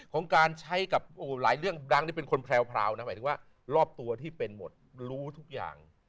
ของการใช้กับหลายเรื่องดังที่เป็นคนแพรวนะหมายถึงว่ารอบตัวที่เป็นหมดรู้ทุกอย่าง